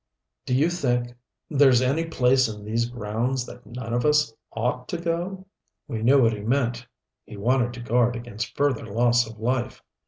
Do you think there's any place in these grounds that none of us ought to go?" We knew what he meant. He wanted to guard against further loss of life.